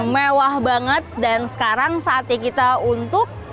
mewah banget dan sekarang saatnya kita untuk